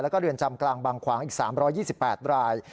แล้วก็เรือนจำกลางบางขวางอีก๓๒๘ราย